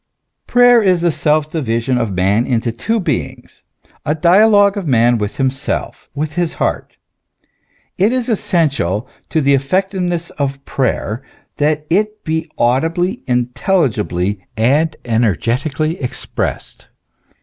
Prayer is the self division of man into two beings, a dialogue of man with himself, with his heart. It is essential to the effectiveness of prayer that it be audibly, intelligibly, energeti cally expressed.